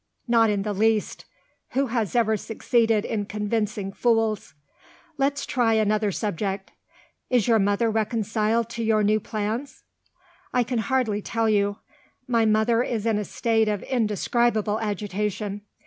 "Not in the least. Who has ever succeeded in convincing fools? Let's try another subject. Is your mother reconciled to your new plans?" "I can hardly tell you. My mother is in a state of indescribable agitation.